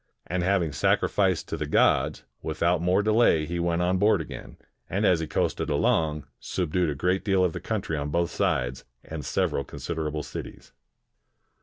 And having sacrificed to the gods, without more delay he went on board again, and as he coasted along, subdued a great deal of the country on both sides, and several consider able cities.